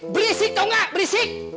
berisik tau gak berisik